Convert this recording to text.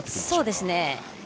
そうですね。